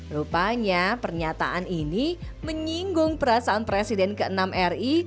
rupanya pernyataan ini menyinggung perasaan presiden ke enam ri